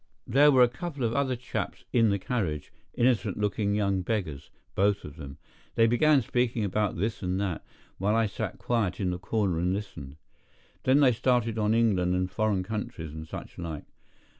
There were a couple of other chaps in the carriage, innocent looking young beggars, both of them. They began speaking about this and that, while I sat quiet in the corner and listened. Then they started on England and foreign countries, and such like.